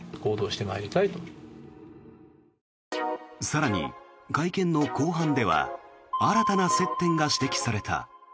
更に、会見の後半では新たな接点が指摘された。